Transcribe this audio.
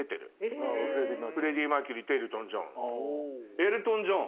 エルトン・ジョン。